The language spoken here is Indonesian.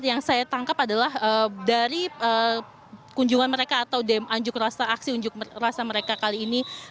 yang saya tangkap adalah dari kunjungan mereka atau aksi unjuk rasa mereka kali ini